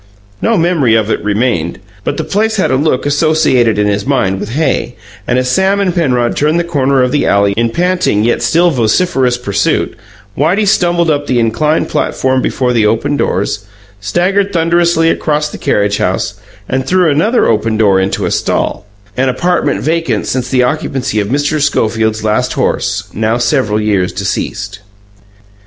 No memory of it remained; but the place had a look associated in his mind with hay, and, as Sam and Penrod turned the corner of the alley in panting yet still vociferous pursuit, Whitey stumbled up the inclined platform before the open doors, staggered thunderously across the carriage house and through another open door into a stall, an apartment vacant since the occupancy of Mr. Schofield's last horse, now several years deceased.